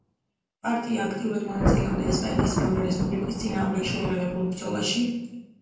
პარტია აქტიურად მონაწილეობდა ესპანეთის მეორე რესპუბლიკის წინააღმდეგ შეიარაღებულ ბრძოლაში.